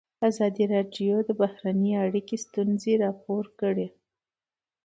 ازادي راډیو د بهرنۍ اړیکې ستونزې راپور کړي.